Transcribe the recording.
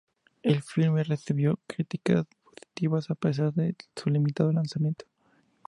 El filme recibió críticas positivas a pesar de su limitado lanzamiento.